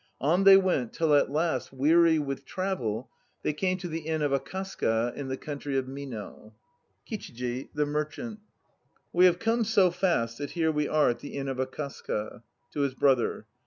On they went till at last, weary with travel, they came to the Inn of Akasaka in the country of Mino. KICHIJI (the merchant). We have come so fast that here we are at the Inn of Akasaka. (To his BROTHER.)